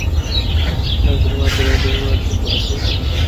আর কোনো প্রমাণ দেখাব না।